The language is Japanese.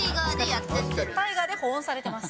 タイガーで保温されています。